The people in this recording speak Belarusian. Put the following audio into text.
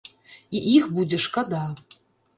І іх будзе шкада.